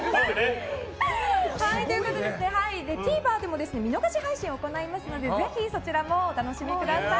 ＴＶｅｒでも見逃し配信を行いますのでぜひそちらもお楽しみください。